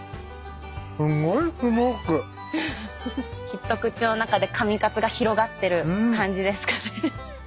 きっと口の中で上勝が広がってる感じですかね。